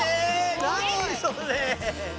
何それ！